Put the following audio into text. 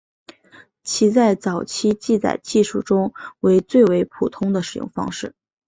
其在早期记载技术中为最为普遍的使用方式。